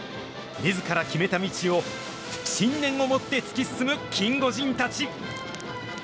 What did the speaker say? みずから決めた道を信念を持って突き進むキンゴジンたち。